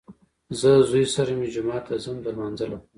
زه زوی سره مې جومات ته ځم د لمانځه لپاره